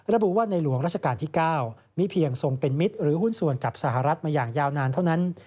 ระบุว่าในหลวงราชการที่๙มีเพียงทรงเป็นมิตรหรือหุ้นส่วนกับสหรัฐมาอย่างยาวนานเท่านั้น